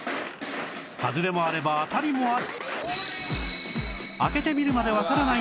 外れもあれば当たりもある